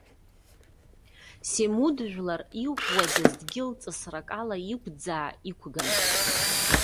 Семуд жәлар иӷәӷәаӡаз дгьылҵысрак ала иқәӡаа иқәган.